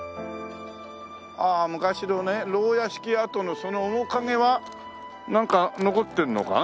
ああ昔のね牢屋敷跡のその面影はなんか残ってんのかな？